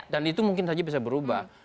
dan itu mungkin saja bisa berubah